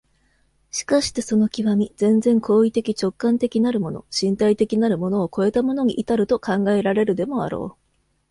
しかしてその極、全然行為的直観的なるもの、身体的なるものを越えたものに到ると考えられるでもあろう。